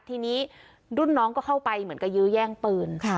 ทีนี้รุ่นน้องก็เข้าไปเหมือนกับยื้อแย่งปืน